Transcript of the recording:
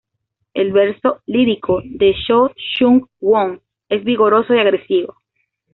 El verso lírico de Cho Chung-kwon es vigoroso y agresivo.